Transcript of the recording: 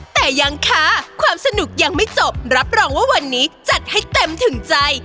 แต่ยังคะความสนุกยังไม่จบรับรองว่าวันนี้จัดให้เต็มถึงใจ